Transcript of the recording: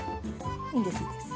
いいですいいです。